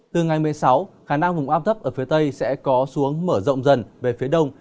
từ ngày một mươi sáu khả năng vùng áp thấp ở phía tây sẽ có xuống mở rộng dần về phía đông